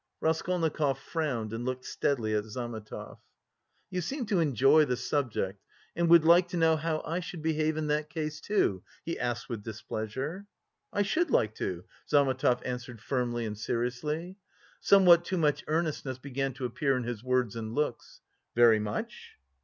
Raskolnikov frowned and looked steadily at Zametov. "You seem to enjoy the subject and would like to know how I should behave in that case, too?" he asked with displeasure. "I should like to," Zametov answered firmly and seriously. Somewhat too much earnestness began to appear in his words and looks. "Very much?"